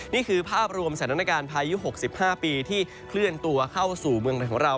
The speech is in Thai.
นี่คือภาพรวมสถานการณ์พายุ๖๕ปีที่เคลื่อนตัวเข้าสู่เมืองในของเรา